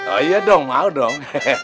oh iya dong mau dong